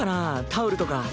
タオルとか。